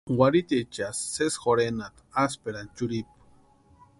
Warhitiechasï sési jorhenati asïperani churhipu.